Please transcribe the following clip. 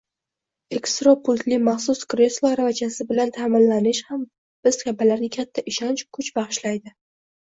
Elektro-pultli maxsus kreslo aravachasi bilan taʼminlanish ham biz kabilarga katta ishonch, kuch bagʻishlaydi.